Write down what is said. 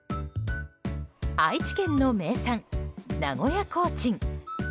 愛知県の名産・名古屋コーチン